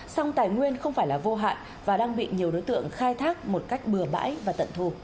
song tài nguyên không phải là vô hạn và đang bị nhiều đối tượng khai thác một cách bừa bãi và tận thu